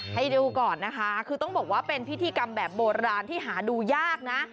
ให้ดูก่อนนะคะคือต้องบอกว่าเป็นพิธีกรรมแบบโบราณที่หาดูยากนะ